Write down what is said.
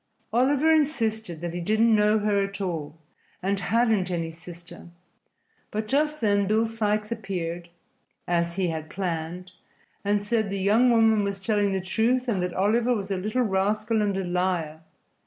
Oliver insisted that he didn't know her at all and hadn't any sister, but just then Bill Sikes appeared (as he had planned) and said the young woman was telling the truth and that Oliver was a little rascal and a liar.